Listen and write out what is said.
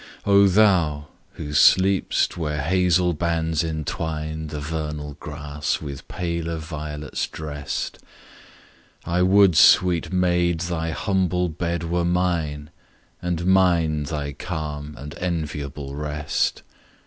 O THOU! who sleep'st where hazle bands entwine The vernal grass, with paler violets drest; I would, sweet maid! thy humble bed were mine, And mine thy calm and enviable rest.